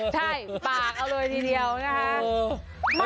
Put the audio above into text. ใช่ปากเอาเลยทีเดียวนะคะ